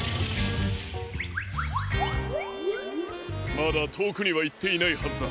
まだとおくにはいっていないはずだ。